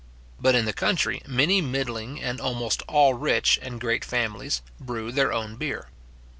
But in the country, many middling and almost all rich and great families, brew their own beer.